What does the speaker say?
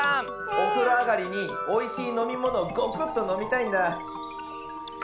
おふろあがりにおいしいのみものをゴクッとのみたいんだ。